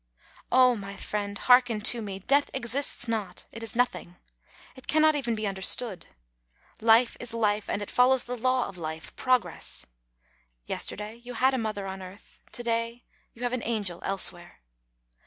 " 'O my friend, hearken to me ! Death exists not ; it is nothing. It cannot even be understood. Life is life, and it follows the law of life progress. Yes terday you had a mother on earth ; to day you have an angel elsewhere.